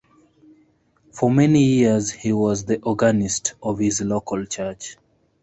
For many years, he was the organist of his local church.